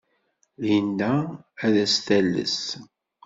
Linda ad as-tales.